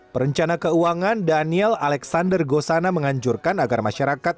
perencana keuangan daniel alexander gosana menganjurkan agar masyarakat